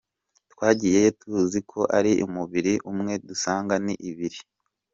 Twagiyeyo tuzi ko ari umubiri umwe dusanga ni ibiri.